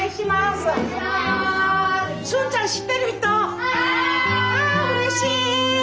あうれしい！